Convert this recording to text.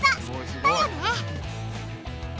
だよね